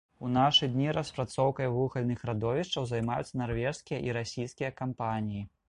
У нашы дні распрацоўкай вугальных радовішчаў займаюцца нарвежскія і расійскія кампаніі.